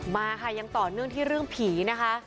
มาค่ะยังต่อเนื่องที่เรื่องผีนะคะ